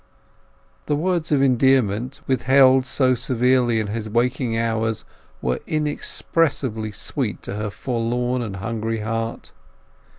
The words of endearment, withheld so severely in his waking hours, were inexpressibly sweet to her forlorn and hungry heart.